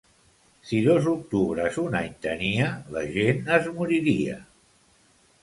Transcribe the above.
Si dos octubres un any tenia, la gent es moriria.